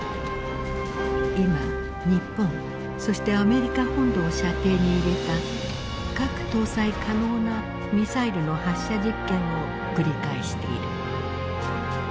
今日本そしてアメリカ本土を射程に入れた核搭載可能なミサイルの発射実験を繰り返している。